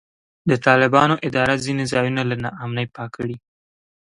د طالبانو اداره ځینې ځایونه له نا امنۍ پاک کړي.